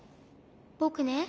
ぼくね